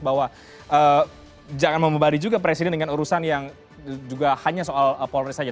bahwa jangan membebani juga presiden dengan urusan yang juga hanya soal polri saja